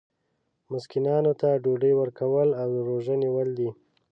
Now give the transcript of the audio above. مسکینانو ته ډوډۍ ورکول او روژه نیول دي.